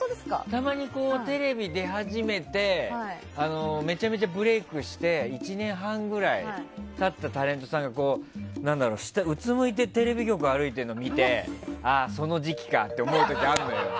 たまにテレビ出始めてめちゃめちゃブレークして１年半くらい経ったタレントさんがうつむいてテレビ局、歩いているのを見てあ、その時期かって思うことあるのよ。